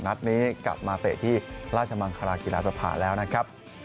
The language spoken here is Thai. นัดนี้กลับมาเตะที่ราชมังคลากีฬาสภาแล้วนะครับ